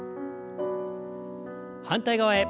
反対側へ。